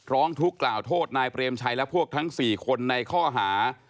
ร้องทุกข์กล่าวโทษนายเปรมชัยและพวกทั้ง๔คนในข้อหา